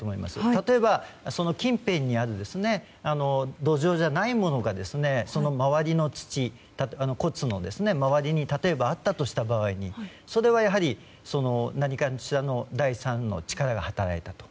例えば近辺にある土壌じゃないものが骨の周りに例えばあった場合にそれはやはり何かしらの第３の力が働いたと。